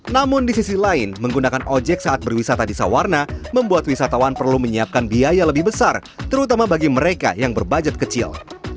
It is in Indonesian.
namun di sisi lain menggunakan ojek saat berwisata di sawarna membuat wisatawan perlu menyiapkan biaya lebih besar terutama bagi mereka yang berbudget kecil